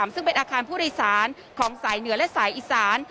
ซึ่งเป็นอาคารผู้โดยสารของสายเหนือและสายอีสาน